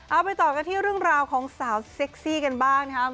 เอาไปต่อกันที่เรื่องราวของสาวเซ็กซี่กันบ้างนะครับ